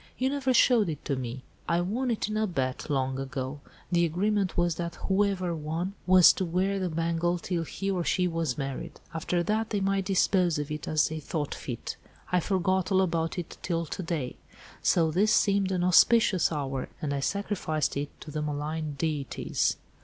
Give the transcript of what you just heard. You never showed it to me." "I won it in a bet, long ago. The agreement was that whoever won was to wear the bangle till he or she was married. After that, they might dispose of it as they thought fit. I forgot all about it till to day. So this seemed an auspicious hour, and I sacrificed it to the malign deities."